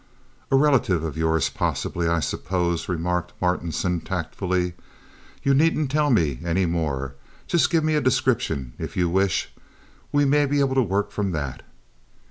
"A relative of yours—possibly, I suppose," remarked Martinson, tactfully. "You needn't tell me any more—just give me a description if you wish. We may be able to work from that."